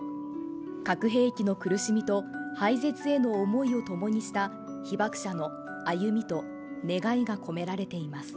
核兵器の苦しみと廃絶への思いを共にした被爆者の歩みと願いが込められています